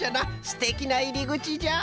すてきないりぐちじゃ！